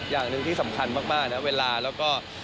อย่างหนึ่งที่สำคัญมากนะเวลาแล้วก็